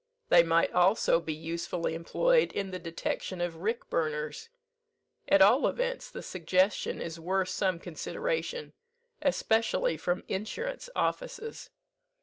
They might also be usefully employed in the detection of rick burners. At all events the suggestion is worth some consideration, especially from insurance offices.